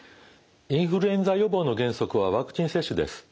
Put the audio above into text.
インフルエンザ予防の原則はワクチン接種です。